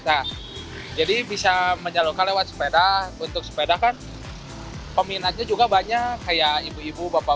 dan jadi bisa menyalurkan lewat sepeda untuk sepeda kan peminatnya juga banyak kayak ibu ibu bapak